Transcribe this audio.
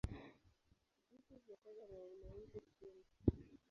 Jike huyataga mayai mawili chini.